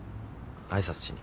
挨拶しに。